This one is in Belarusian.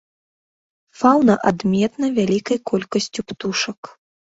Фаўна адметна вялікай колькасцю птушак.